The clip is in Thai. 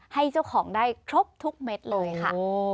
ให้เจ้าของได้ครบทุกเม็ดเลยค่ะ